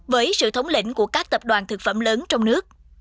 với sự thống lĩnh của các tập đoàn thực phẩm lớn trong nước